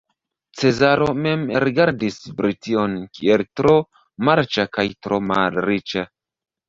Cezaro mem rigardis Brition kiel tro marĉa kaj tro malriĉa.